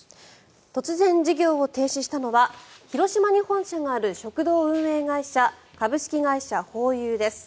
突然、事業を停止したのは広島に本社がある食堂運営会社株式会社ホーユーです。